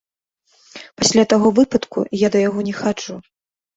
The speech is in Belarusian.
Пасля таго выпадку я да яго не хаджу.